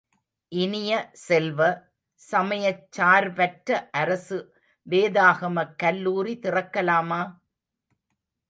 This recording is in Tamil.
இனிய செல்வ, சமயச்சார்பற்ற அரசு வேதாகமக் கல்லூரி திறக்கலாமா?